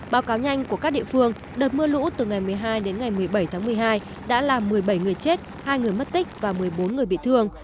báo cáo nhanh của các địa phương đợt mưa lũ từ ngày một mươi hai đến ngày một mươi bảy tháng một mươi hai đã làm một mươi bảy người chết hai người mất tích và một mươi bốn người bị thương